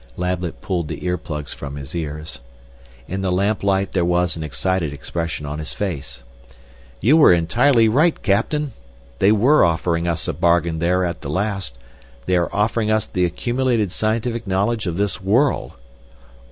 Lablet pulled the ear plugs from his ears. In the lamplight there was an excited expression on his face. "You were entirely right, Captain! They were offering us a bargain there at the last! They are offering us the accumulated scientific knowledge of this world!"